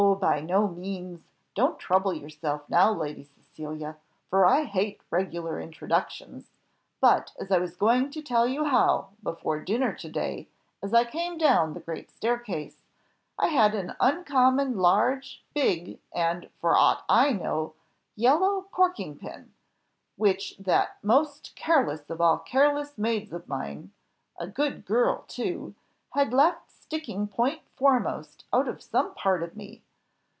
by no means; don't trouble yourself now, Lady Cecilia, for I hate regular introductions. But, as I was going to tell you how, before dinner to day, as I came down the great staircase, I had an uncommon large, big, and, for aught I know, yellow corking pin, which that most careless of all careless maids of mine a good girl, too had left sticking point foremost out of some part of me.